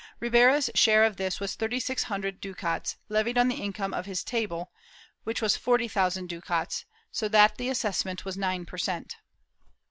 Ribera's share of this was thirty six hundred ducats, levied on the income of his "table," which was forty thousand ducats, so that the assessment was 9 per cent.